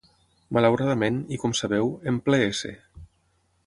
Malauradament, i com sabeu, en ple s.